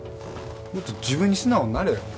もっと自分に素直になれよ。